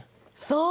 そう。